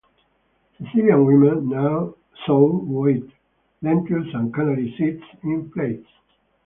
Sicilian women sow wheat, lentils, and canary seeds in plates.